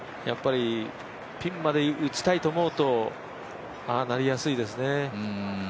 やっぱりピンまで打ちたいと思うとああなりやすいですね。